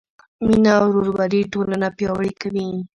مینه او ورورولي ټولنه پیاوړې کوي.